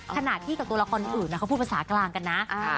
ขนาดที่ตัวละคนอื่นพูดภาษากลางกันนะ